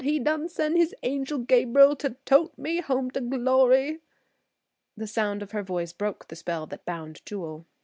He done sen' his Angel Gabriel to tote me home to glory." The sound of her voice broke the spell that bound Jewel.